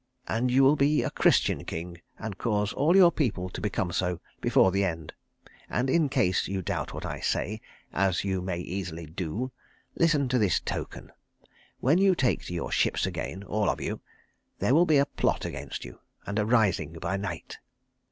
And you will be a Christian king and cause all your people to become so before the end. And in case you doubt what I say, as you may easily do, listen to this token. When you take to your ships again, all of you, there will be a plot against you, and a rising by night.